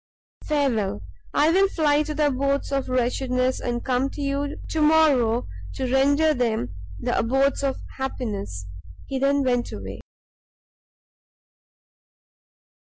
Farewell; I will fly to the abodes of wretchedness, and come to you to morrow to render them the abodes of happiness." He then went away.